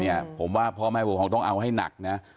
เด็กย่วงชนผมว่าพ่อแม่ผู้ประคองต้องเอาให้หนักนะ